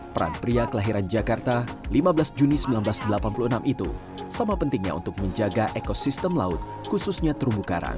peran pria kelahiran jakarta lima belas juni seribu sembilan ratus delapan puluh enam itu sama pentingnya untuk menjaga ekosistem laut khususnya terumbu karang